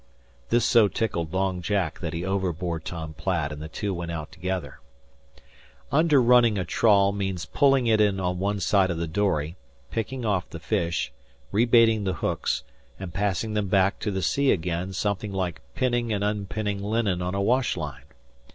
This so tickled Long Jack that he overbore Tom Platt and the two went out together. Underrunning a trawl means pulling it in on one side of the dory, picking off the fish, rebaiting the hooks, and passing them back to the sea again something like pinning and unpinning linen on a wash line.